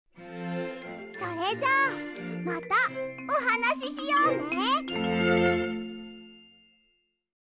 それじゃあまたおはなししようね！